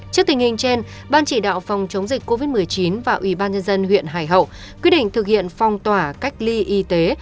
trước tình hình trên ban chỉ đạo phòng chống dịch covid một mươi chín và ủy ban nhân dân huyện hải hậu quyết định thực hiện phong tỏa cách ly y tế